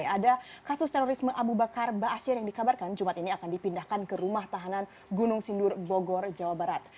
ada kasus terorisme abu bakar ⁇ baasyir ⁇ yang dikabarkan jumat ini akan dipindahkan ke rumah tahanan gunung sindur bogor jawa barat